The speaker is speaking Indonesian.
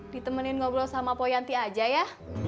ditemenin ngobrol sama poyanti aja ya